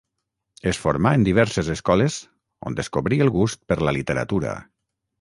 Es formà en diverses escoles on descobrí el gust per la literatura.